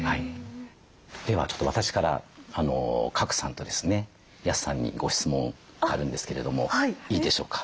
ではちょっと私から賀来さんとですね安さんにご質問あるんですけれどもいいでしょうか？